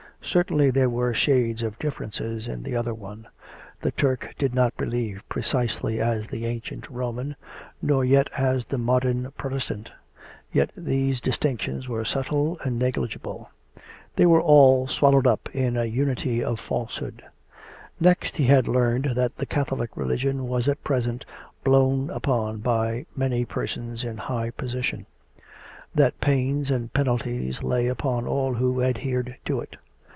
Cer tainly there were shades of differences in the other one ; the Turk did not believe precisely as the ancient Roman, nor yet as the modern Protestant — yet these distinctions were subtle and negligible; they were all swallowed up in an imity of falsehood. Next he had learned that the Catholic religion was at present blown upon by many persons in high position; that pains and penalties lay upon all who adhered to it.